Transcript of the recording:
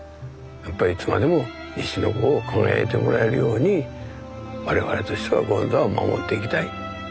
やっぱりいつまでも西の湖を輝いてもらえるように我々としては権座を守っていきたい。